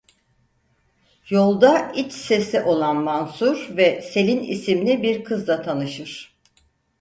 Yolda iç sesi olan Mansur ve Selin isimli bir kızla tanışır.